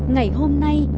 ngày hôm nay